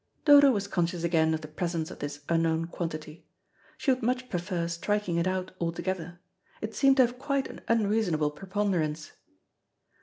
Dodo was conscious again of the presence of this unknown quantity. She would much prefer striking it out altogether; it seemed to have quite an unreasonable preponderance.